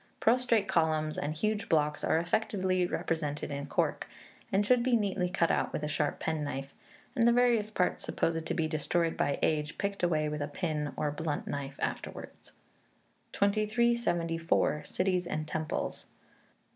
Prostrate columns and huge blocks are effectively represented in cork, and should be neatly cut out with a sharp knife, and the various parts supposed to be destroyed by age picked away with a pin or blunt knife afterwards. 2374. Cities and Temples.